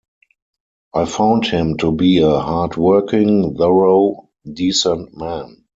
I found him to be a hardworking, thorough, decent man.